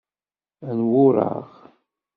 N wureɣ.